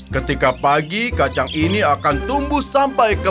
ketika pagi kacang ini akan tumbuh sampai ke